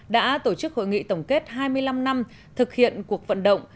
đã tổ chức hội nghị tổng kết hai mươi năm năm thực hiện cuộc vận động